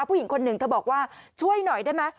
ผู้หญิงคนหนึ่งเธอบอกว่าช่วยหน่อยได้ไหม